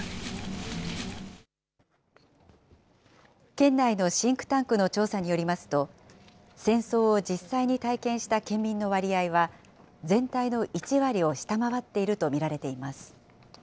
県内のシンクタンクの調査によりますと、戦争を実際に体験した県民の割合は、全体の１割を下回っていると見られています。